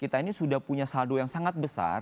kita ini sudah punya saldo yang sangat besar